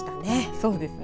そうですね。